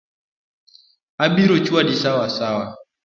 Abiro chwadi sawasawa.